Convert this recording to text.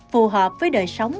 phù hợp với đời sống